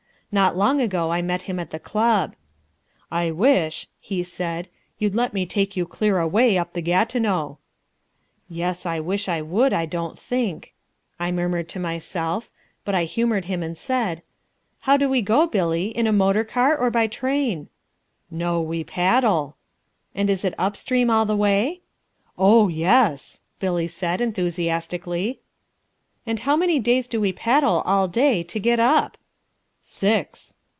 Not long ago I met him in the club. "I wish," he said, "you'd let me take you clear away up the Gatineau." "Yes, I wish I would, I don't think," I murmured to myself, but I humoured him and said: "How do we go, Billy, in a motor car or by train?" "No, we paddle." "And is it up stream all the way?" "Oh, yes," Billy said enthusiastically. "And how many days do we paddle all day to get up?" "Six."